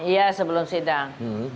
ya sebelum sidang